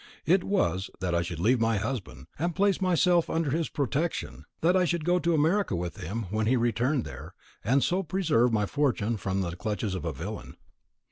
It was, that I should leave my husband, and place myself under his protection; that I should go to America with him when he returned there, and so preserve my fortune from the clutches of a villain.